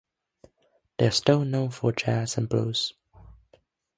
They are still known for jazz and blues.